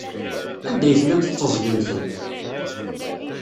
Anda ay tellam tetteẓẓgem-tent?